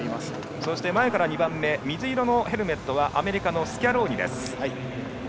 そして前から２番目水色のヘルメットはアメリカのスキャローニ。